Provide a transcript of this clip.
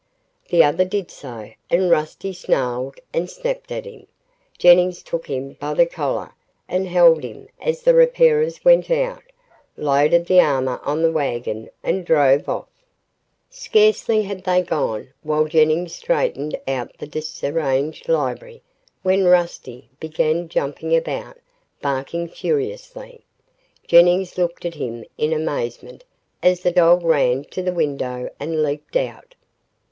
The other did so and Rusty snarled and snapped at him. Jennings took him by the collar and held him as the repairers went out, loaded the armor on the wagon, and drove off. Scarcely had they gone, while Jennings straightened out the disarranged library, when Rusty began jumping about, barking furiously. Jennings looked at him in amazement, as the dog ran to the window and leaped out.